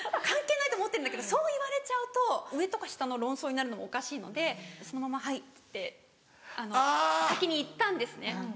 関係ないと思ってるんだけどそう言われちゃうと上とか下の論争になるのもおかしいのでそのまま「はい」って先に行ったんですね。